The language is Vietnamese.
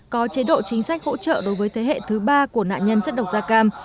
có chế độ chính sách hỗ trợ đối với thế hệ thứ ba của nạn nhân chất độc da cam